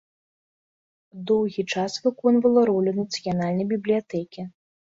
Доўгі час выконвала ролю нацыянальнай бібліятэкі.